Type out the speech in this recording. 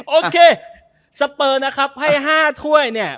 โอเคสเปอร์นะครับให้๕ถ้วยเนี่ย